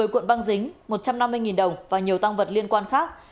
một mươi cuộn băng dính một trăm năm mươi đồng và nhiều tăng vật liên quan khác